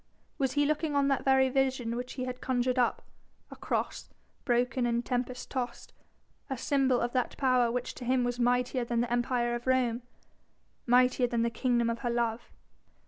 Was he looking on that very vision which he had conjured up, a cross, broken and tempest tossed, a symbol of that power which to him was mightier than the Empire of Rome, mightier than the kingdom of her love?